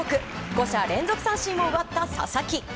５者連続三振を奪った佐々木。